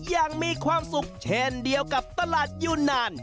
อย่างมีความสุขเช่นเดียวกับตลาดยูนาน